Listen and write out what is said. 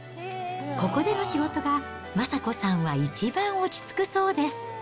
ここでの仕事が昌子さんは一番落ち着くそうです。